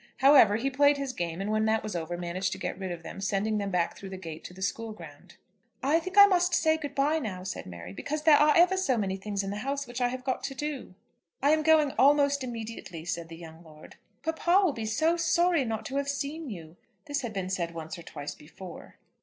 However, he played his game, and when that was over, managed to get rid of them, sending them back through the gate to the school ground. "I think I must say good bye now," said Mary, "because there are ever so many things in the house which I have got to do." "I am going almost immediately," said the young lord. "Papa will be so sorry not to have seen you." This had been said once or twice before.